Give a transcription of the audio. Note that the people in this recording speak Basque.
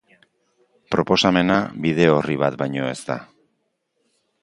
Proposamena bide orri bat baino ez da.